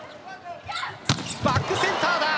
バックセンターだ！